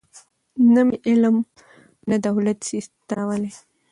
نه مي علم نه دولت سي ستنولای